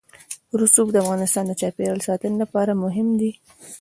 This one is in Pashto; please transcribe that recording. رسوب د افغانستان د چاپیریال ساتنې لپاره مهم دي.